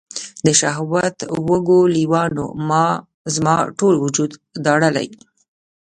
د شهوت وږو لیوانو، زما ټول وجود داړلي